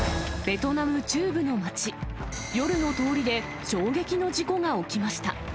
ベトナム中部の町、夜の通りで衝撃の事故が起きました。